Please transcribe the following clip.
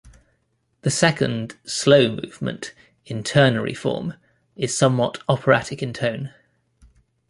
The second, slow movement, in ternary form, is somewhat operatic in tone.